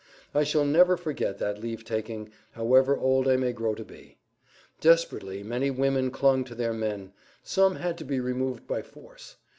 I shall never forget that leave taking, however old I may grow to be. Desperately many women clung to their men; some had to be removed by force.